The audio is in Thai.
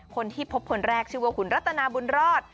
คนที่พบคนแรกชื่อว่าคุณรัตนาบุญรอด